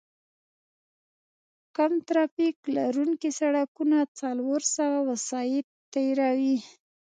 کم ترافیک لرونکي سړکونه څلور سوه وسایط تېروي